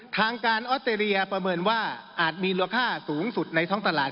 ทางการออสเตรเลียประเมินว่าอาจมีมูลค่าสูงสุดในท้องตลาด